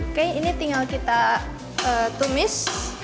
oke ini tinggal kita tumis